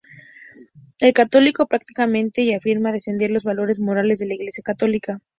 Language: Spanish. Es católico practicante y afirma defender los valores morales de la Iglesia Católica.